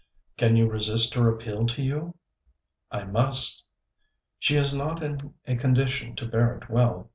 'Can you resist her appeal to you?' 'I must.' 'She is not in a condition to bear it well.